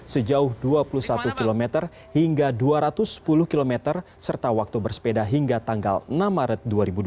sejauh dua puluh satu km hingga dua ratus sepuluh km serta waktu bersepeda hingga tanggal enam maret dua ribu dua puluh